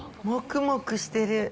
もくもくしてる。